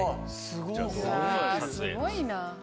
すごいな！